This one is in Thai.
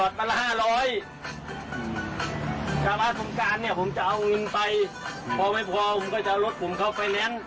สู้มาใส่ให้มันพอ๕๐๐๐